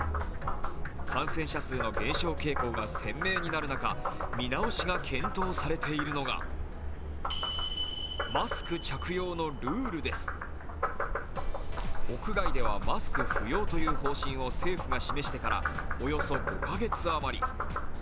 感染者数の減少傾向が鮮明になる中、見直しが検討されているのが屋外ではマスク不要という方針を政府が示してからおよそ５か月あまり。